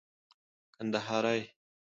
کندهارى